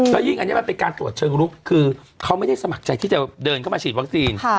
แล้วยิ่งอันนี้มันเป็นการตรวจเชิงลุกคือเขาไม่ได้สมัครใจที่จะเดินเข้ามาฉีดวัคซีน